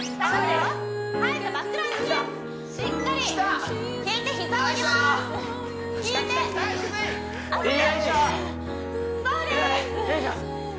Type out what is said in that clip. よいしょー